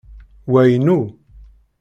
Wa inu!